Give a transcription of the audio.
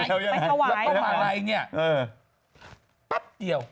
แล้วต้องหาอะไรเนี่ยปั๊บเดียว